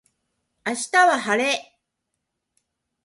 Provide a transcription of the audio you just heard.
明日は晴れ